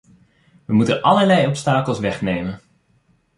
We moeten allerlei obstakels wegnemen.